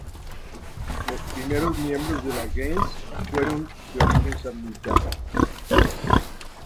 Los primeros miembros de la "gens" fueron de origen samnita.